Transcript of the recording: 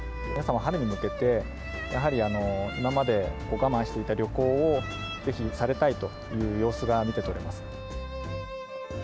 皆様、春に向けて、やはり今まで我慢していた旅行を、ぜひされたいという様子が見て取れますね。